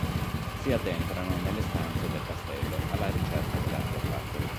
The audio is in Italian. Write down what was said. Si addentrano nelle stanze del castello, alla ricerca dell'artefatto.